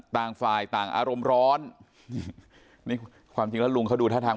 ต่างฝ่ายต่างอารมณ์ร้อนนี่ความจริงแล้วลุงเขาดูท่าทาง